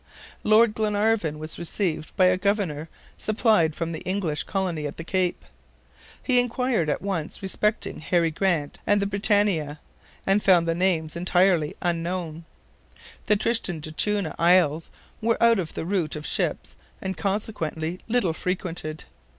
Lord Glenarvan was received by a governor supplied from the English colony at the Cape. He inquired at once respecting Harry Grant and the BRITANNIA, and found the names entirely unknown. The Tristan d'Acunha Isles are out of the route of ships, and consequently little frequented.